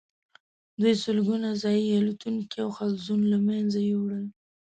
دوی سلګونه ځايي الوتونکي او حلزون له منځه یوړل.